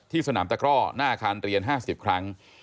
สนามตะกร่อหน้าอาคารเรียน๕๐ครั้ง